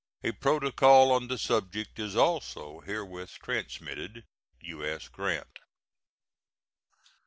A protocol on the subject is also herewith transmitted. U.S. GRANT.